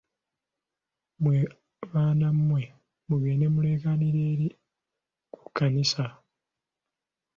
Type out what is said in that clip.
Mmwe baana mmwe, mugende muleekaanire eri ku kkanisa.